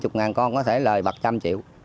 một mươi ngàn con có thể lời bật một trăm linh triệu